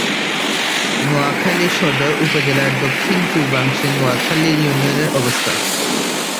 নোয়াখালী সদর উপজেলার দক্ষিণ-পূর্বাংশে নোয়াখালী ইউনিয়নের অবস্থান।